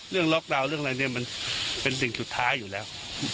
เรื่องล็อกดาวน์เรื่องแหลงนี้มันเป็นสิ่งสุดท้ายอยู่แล้ว